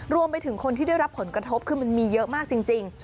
รวมไปถึงคนที่ได้รับผลกระทบคือมันมีเยอะมากจริง